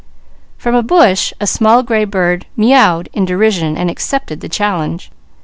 From a bush a small gray bird meouwed in derision and accepted the challenge.